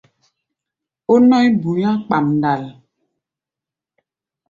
Ó nɔ̧́í̧ bu̧i̧á̧ kpamdal.